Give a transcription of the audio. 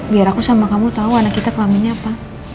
biar aku sama kamu tahu anak kita kelaminnya apa